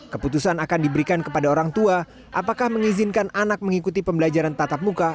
keputusan akan diberikan kepada orang tua apakah mengizinkan anak mengikuti pembelajaran tatap muka